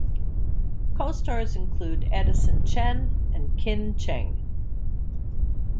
Co-stars include Edison Chen and Ekin Cheng.